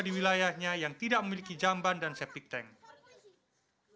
di wilayahnya yang tidak bisa membuat jamban untuk warga ini dan juga warga yang tidak bisa